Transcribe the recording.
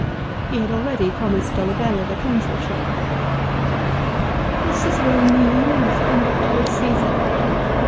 He had already promised Dolabella the Consulship. Was Cicero mean in his conduct towards Csesar ?